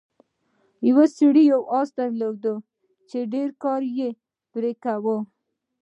یو سړي یو اس درلود چې ډیر کار یې پرې کاوه.